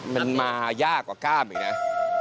เป็นมายากกว่าก้าบอีกนะ